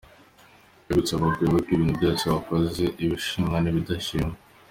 Ndagusaba ngo wibuke ibintu byose wakoze, ibishimwa n’ibidashimwa!